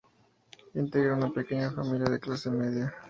Integra una pequeña familia de clase media.